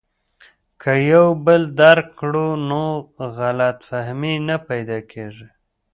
که یو بل درک کړو نو غلط فهمي نه پیدا کیږي.